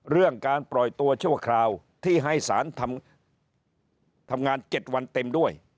เรื่องการปล่อยตัวชั่วคราวที่ให้สารทำงาน๗วันเต็มด้วย